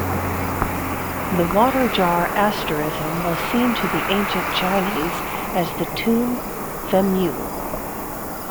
The Water Jar asterism was seen to the ancient Chinese as the tomb, "Fenmu".